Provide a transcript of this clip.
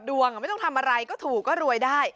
เดียว